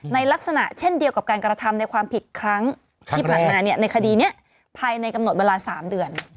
ลักษณะเช่นเดียวกับการกระทำในความผิดครั้งที่ผ่านมาในคดีนี้ภายในกำหนดเวลา๓เดือน